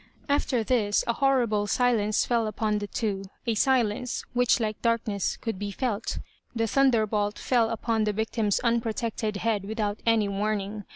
Afi; er this a. horrible silence fell upon the two — a silence^ which like darkness, could be felt The thunderbolt fell upon the victim's unprotect ed head without any warning.